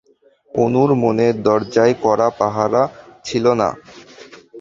অনুর মনের দরজায় কড়া পাহারা ছিল না।